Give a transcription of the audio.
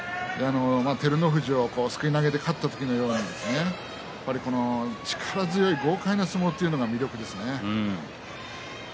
照ノ富士をすくい投げで勝った時のように力強い豪快な相撲が魅力ですね。